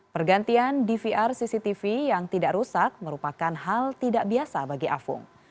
pergantian dvr cctv yang tidak rusak merupakan hal tidak biasa bagi afung